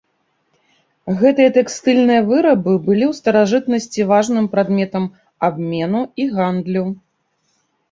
Гэтыя тэкстыльныя вырабы былі ў старажытнасці важным прадметам абмену і гандлю.